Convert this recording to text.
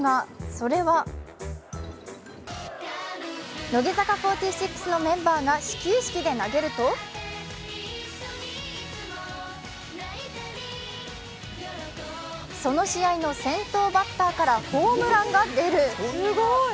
それは乃木坂４６のメンバーが始球式で投げるとその試合の先頭バッターからホームランが出る。